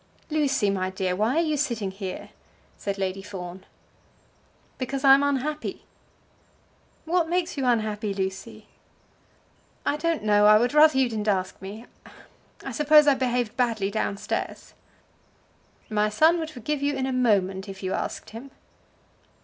"Lucy, my dear, why are you sitting here?" said Lady Fawn. "Because I am unhappy." "What makes you unhappy, Lucy?" "I don't know. I would rather you didn't ask me. I suppose I behaved badly down stairs." "My son would forgive you in a moment if you asked him."